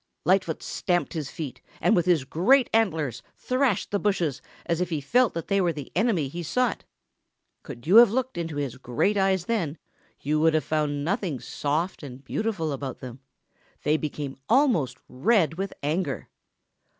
Lightfoot stamped his feet and with his great antlers thrashed the bushes as if he felt that they were the enemy he sought. Could you have looked into his great eyes then, you would have found nothing soft and beautiful about them. They became almost red with anger.